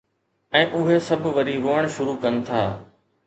۽ اهي سڀ وري روئڻ شروع ڪن ٿا.